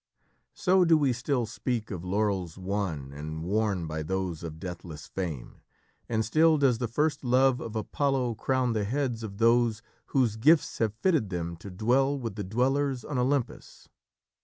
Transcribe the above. So do we still speak of laurels won, and worn by those of deathless fame, and still does the first love of Apollo crown the heads of those whose gifts have fitted them to dwell with the dwellers on Olympus.